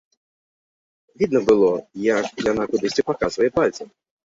Відна было, як яна кудысьці паказвае пальцам.